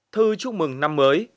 thư chúc mừng năm mới